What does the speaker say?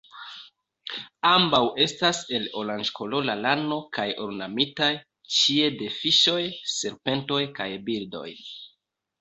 Ambaŭ estas el oranĝkolora lano kaj ornamitaj ĉie de fiŝoj, serpentoj kaj birdoj.